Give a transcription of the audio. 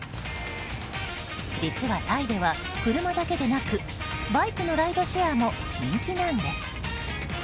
実はタイでは車だけでなくバイクのライドシェアも人気なんです。